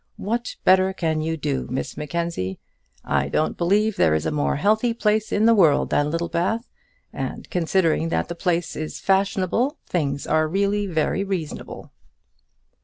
What better can you do, Miss Mackenzie? I don't believe there is a more healthy place in the world than Littlebath, and, considering that the place is fashionable, things are really very reasonable."